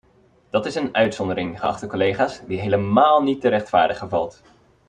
Dat is een uitzondering, geachte collega's, die helemaal niet te rechtvaardigen valt!